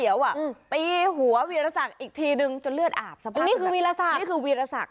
นี่คือวีรสักค์